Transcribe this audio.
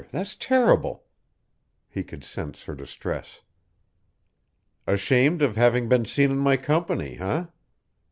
That's terrible." He could sense her distress. "Ashamed of having been seen in my company, eh?"